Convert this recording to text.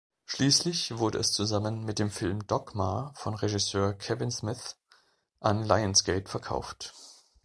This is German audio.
Schließlich wurde es zusammen mit dem Film „Dogma“ von Regisseur Kevin Smith an Lionsgate verkauft.